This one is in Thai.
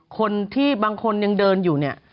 คนที่บางคนยังเดินอยู่เนี่ย